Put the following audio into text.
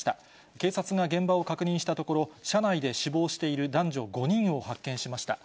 警察が現場を確認したところ、車内で死亡している男女５人を発見しました。